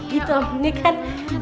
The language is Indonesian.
gitu ini kan